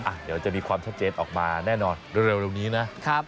เดี๋ยวจะมีความชัดเจนออกมาแน่นอนเร็วนี้นะ